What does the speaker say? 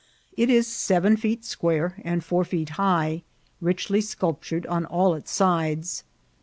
It is seven feet square and four feet high, richly sculptured on all its sides.